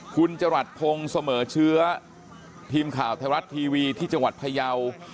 คุณจรัสพงศ์เสมอเชื้อทีมข่าวไทยรัฐทีวีที่จังหวัดพยาว